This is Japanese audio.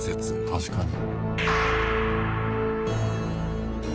確かに。